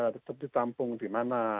tetap ditampung di mana